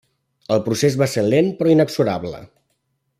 El procés va ser lent però inexorable.